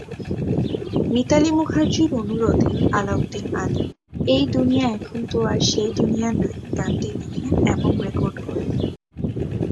মিতালী মুখার্জির অনুরোধে আলাউদ্দিন আলী "এই দুনিয়া এখন তো আর সেই দুনিয়া নাই" গানটি লিখেন এবং রেকর্ড করেন।